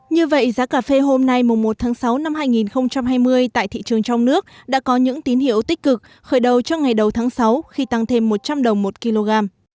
như vậy giá cà phê hôm nay một tháng sáu năm hai nghìn hai mươi tại thị trường trong nước đã có những tín hiệu tích cực khởi đầu trong ngày đầu tháng sáu khi tăng thêm một trăm linh đồng một kg